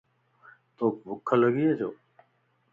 توک ڀک لڳي ڇو؟